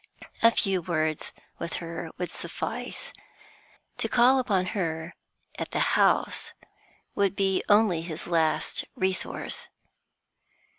A few words with her would suffice. To call upon her at the house would be only his last resource.